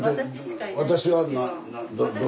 私は？